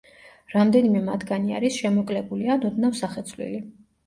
რამდენიმე მათგანი არის შემოკლებული ან ოდნავ სახეცვლილი.